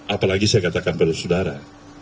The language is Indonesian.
apalagi saya katakan pada saudara